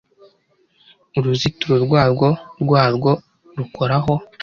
Uruzitiro rwarwo rwarwo rukoraho